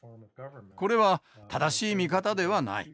これは正しい見方ではない。